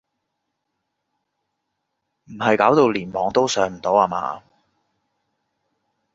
唔係搞到連網都上唔到呀嘛？